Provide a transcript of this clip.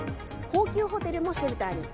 高級ホテルもシェルターに。